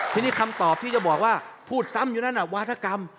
ทีนี้คำตอบที่จะบอกว่าพูดซ้ำอยู่นั้นวาธกรรม